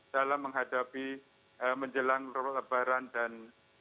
dalam menghadapi menjelang lebaran dan